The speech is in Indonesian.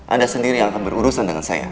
anda sendiri yang akan berurusan dengan saya